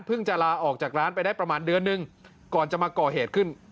จะลาออกจากร้านไปได้ประมาณเดือนหนึ่งก่อนจะมาก่อเหตุขึ้น